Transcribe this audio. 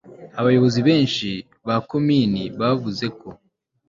abayobozi benshi ba komini bavuze ko